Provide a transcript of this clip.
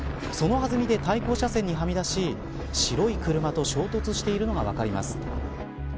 その弾みで対向車線にはみ出し白い車と衝突しているのが分かります。